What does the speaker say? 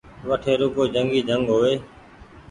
وٺي روڳو جنگ ئي جنگ هووي